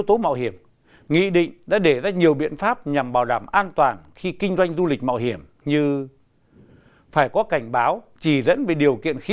đã dành chương ba đề cập biện pháp bảo đảm an toàn cho khách du lịch đối với những sản phẩm du lịch đối với những sản phẩm du lịch